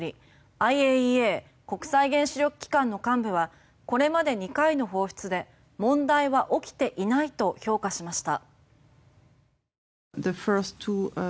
ＩＡＥＡ・国際原子力機関の幹部はこれまで２回の放出で問題は起きていないと評価しました。